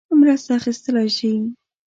مرسته اخیستلای شي.